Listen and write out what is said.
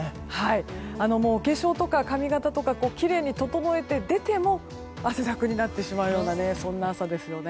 もうお化粧とか、髪形とかきれいに整えて出ても汗だくになってしまうようなそんな朝です。